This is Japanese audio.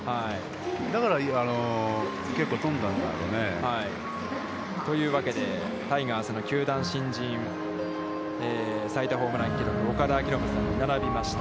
だから結構飛んだんだろうね。というわけでタイガースの球団新人最多ホームラン記録、岡田彰布さんに並びました。